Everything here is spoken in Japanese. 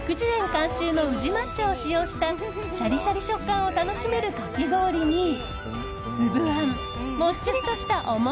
監修の宇治抹茶を使用したシャリシャリ食感を楽しめるかき氷に粒あん、もっちりとしたお餅